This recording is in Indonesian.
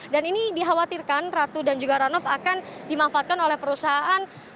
dan ini dikhawatirkan ratu dan juga rano akan dimanfaatkan oleh perusahaan